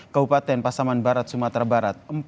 kabupaten pasaman barat sumatera barat